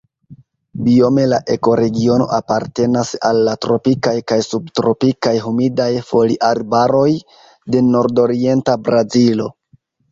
Biome la ekoregiono apartenas al la tropikaj kaj subtropikaj humidaj foliarbaroj de nordorienta Brazilo.